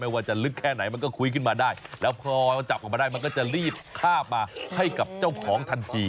ว่าจะลึกแค่ไหนมันก็คุยขึ้นมาได้แล้วพอจับออกมาได้มันก็จะรีบคาบมาให้กับเจ้าของทันที